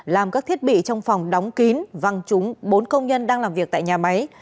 làm các thiết bị trong phòng đóng kín văng trúng bốn công nhân đang làm việc tại nhà máy